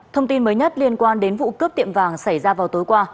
thông tin mới nhất liên quan đến vụ cướp tiệm vàng xảy ra vào tối qua